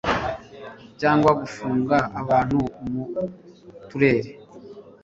cyangwa gufunga abantu mu turere